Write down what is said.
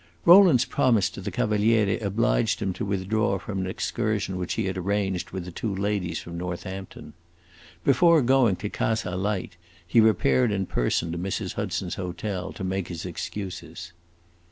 Rowland's promise to the Cavaliere obliged him to withdraw from an excursion which he had arranged with the two ladies from Northampton. Before going to Casa Light he repaired in person to Mrs. Hudson's hotel, to make his excuses.